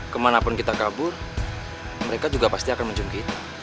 kemanapun kita kabur mereka juga pasti akan mencium kita